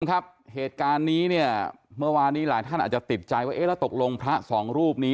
ครับเหตุการณ์นี้เนี่ยเมื่อวานนี้หลายท่านอาจจะติดใจว่าเอ๊ะแล้วตกลงพระสองรูปนี้